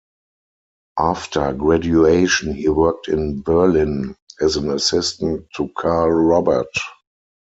After graduation, he worked in Berlin as an assistant to Carl Robert.